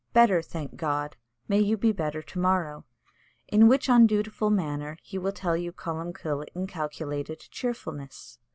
"Better, thank God." "May you be better to morrow." In which undutiful manner he will tell you Columkill inculcated cheerfulness.